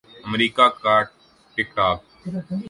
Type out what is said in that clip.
امریکا کا ٹک ٹاک